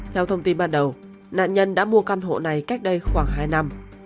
theo thông tin ban đầu nạn nhân đã mua căn hộ này cách đây khoảng hai năm